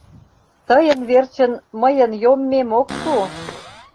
Тыйын верчын мыйын йоммем ок шу!..